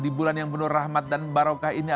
di bulan yang penuh rahmat dan barokah ini